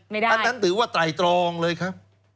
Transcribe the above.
ไม่ได้อันนั้นถือว่าไตลองเลยครับ